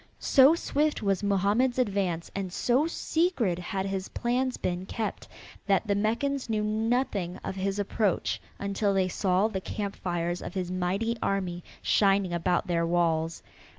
So swift was Mohammed's advance and so secret had his plans been kept that the Meccans knew nothing of his approach until they saw the camp fires of his mighty army shining about their walls.